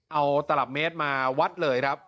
เอาตลับเมตรมาวัดเลยครับ